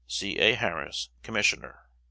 C. A. HARRIS, Commissioner.